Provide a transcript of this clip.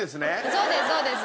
そうですそうです。